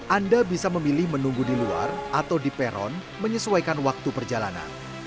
anda bisa memilih menunggu di luar atau di peron menyesuaikan waktu perjalanan